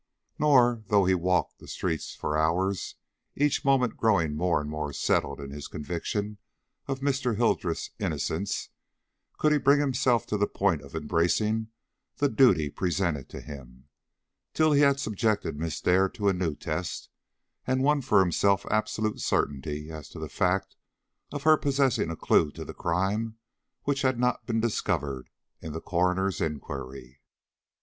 Nor, though he walked the streets for hours, each moment growing more and more settled in his conviction of Mr. Hildreth's innocence, could he bring himself to the point of embracing the duty presented to him, till he had subjected Miss Dare to a new test, and won for himself absolute certainty as to the fact of her possessing a clue to the crime, which had not been discovered in the coroner's inquiry.